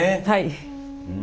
はい。